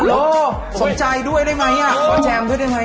โอ้สนใจด้วยได้ไหมขอแจมด้วยได้ไหม